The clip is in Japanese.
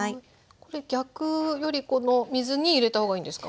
これ逆よりこの水に入れた方がいいんですか？